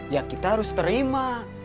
ya kita harus terima